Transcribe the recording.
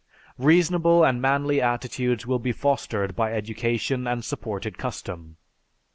Reasonable and manly attitudes will be fostered by education and supported custom.